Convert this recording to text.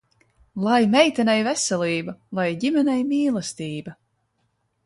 Lai meitenei vesel?ba, Lai ?imen? m?lest?ba!